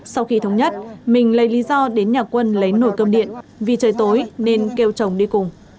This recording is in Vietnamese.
sau khi thống nhất mình lấy lý do đến nhà quân lấy nồi cơm điện vì trời tối nên kêu chồng đi cùng